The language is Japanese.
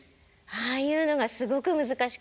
ああいうのがすごく難しかった。